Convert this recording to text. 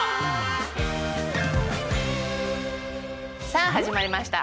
さあ始まりました。